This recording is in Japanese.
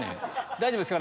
大丈夫ですか？